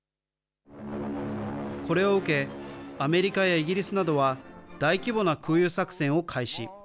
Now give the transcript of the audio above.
これを受け、アメリカやイギリスなどは、大規模な空輸作戦を開始。